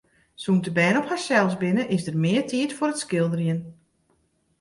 Sûnt de bern op harsels binne, is der mear tiid foar it skilderjen.